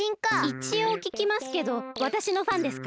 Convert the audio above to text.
いちおうききますけどわたしのファンですか？